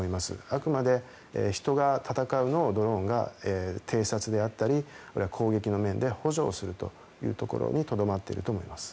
あくまで人が戦うのをドローンが偵察であったりあるいは攻撃の面で補助をするというところにとどまっていると思います。